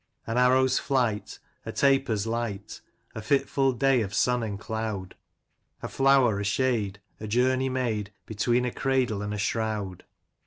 An arrow's flight ; A taper's light ; A fitful day of sun and cloud ; A flower ; a shade ; A journey made Between a cradle and a shroud.